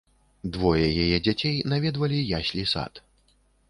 Двое яе дзяцей наведвалі яслі-сад.